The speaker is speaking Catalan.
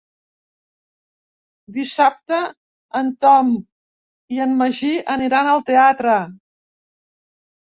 Dissabte en Tom i en Magí aniran al teatre.